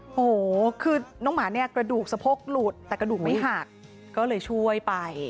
โอ้โหคือน้องหมาเนี่ยกระดูกสะโพกหลุดแต่กระดูกไม่หักก็เลยช่วยไป